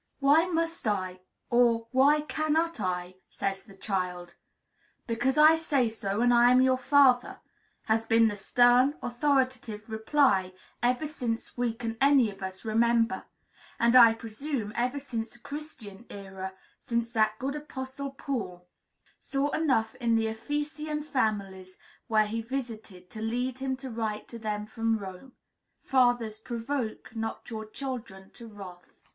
"Why must I?" or "Why cannot I?" says the child. "Because I say so, and I am your father," has been the stern, authoritative reply ever since we can any of us remember; and, I presume, ever since the Christian era, since that good Apostle Paul saw enough in the Ephesian families where he visited to lead him to write to them from Rome, "Fathers, provoke not your children to wrath."